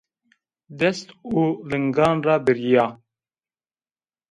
Dest û lingan ra birîya